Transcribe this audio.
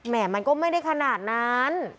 มันก็ไม่ได้ขนาดนั้น